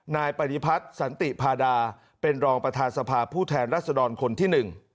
นายปฏิพัฒน์สันติพาดาเป็นรองประธานสภาผู้แทนรัศดรคนที่๑